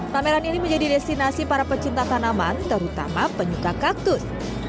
pameran ini menjadi destinasi para pecinta tanaman terutama penyuka kaktus